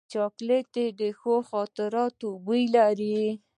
چاکلېټ د ښو خاطرو بوی لري.